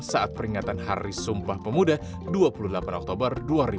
saat peringatan hari sumpah pemuda dua puluh delapan oktober dua ribu dua puluh